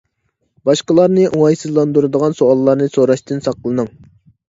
باشقىلارنى ئوڭايسىزلاندۇرىدىغان سوئاللارنى سوراشتىن ساقلىنىڭ.